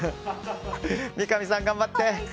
三上さん、頑張って！